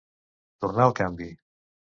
Tornar el canvi.